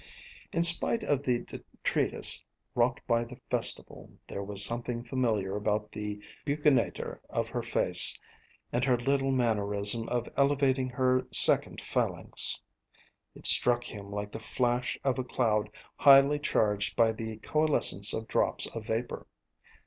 In spite of the detritus wrought by the festival, there was something familiar about the buccinator of her face and her little mannerism of elevating her second phalanx. It struck him like the flash of a cloud highly charged by the coalescence of drops of vapor.